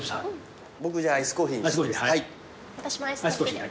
僕じゃあアイスコーヒーに。